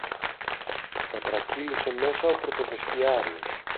κατρακύλησε μέσα ο πρωτοβεστιάριος.